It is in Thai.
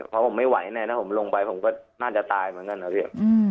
เพราะผมไม่ไหวแน่นะผมลงไปผมก็น่าจะตายเหมือนกันนะพี่